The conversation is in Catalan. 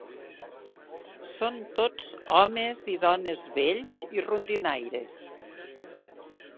Són tots homes i dones vells i rondinaires.